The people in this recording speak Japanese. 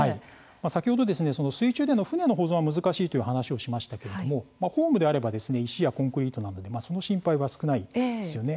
先ほど水中での船の保存は難しいという話をしましたけれどもホームであれば石やコンクリートなのでその心配は少ないですよね。